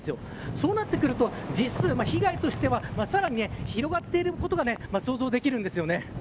そうなってくると被害としてはさらに広がっていることが想像できるんですよね。